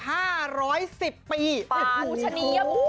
โอ้โฮฉะนี้ยังมีคนหรือเปล่าเธอ